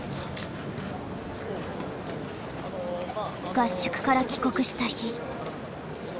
合宿から帰国した日。